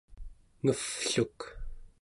ngevvluk